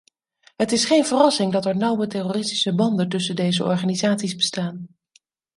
Het is geen verrassing dat er nauwe terroristische banden tussen deze organisaties bestaan.